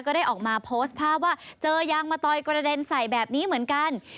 ก็ได้ออกมาโพสต์ภาพว่าเจอยางมะตอยกระเด็นใส่แบบนี้เหมือนกัน